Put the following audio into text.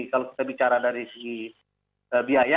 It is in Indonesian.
kalau kita bicara dari segi biaya